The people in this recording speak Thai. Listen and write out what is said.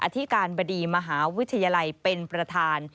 อธิการบดีมหาวิทยาลัยเป็นประธาน